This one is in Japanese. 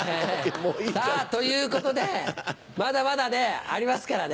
さぁということでまだまだありますからね。